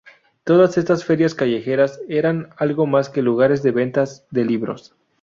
Todas estas ferias callejeras eran algo más que lugares de ventas de libros.